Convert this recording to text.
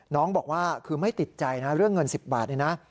น้องบอกว่าคือไม่ติดใจนะเรื่องเงิน๑๐บาทนี่นะ